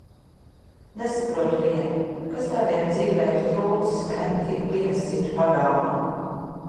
Nesaprotu vienu, kas tādiem dzīvē ir trūcis, ka nemitīgi pinas citu pagalmā?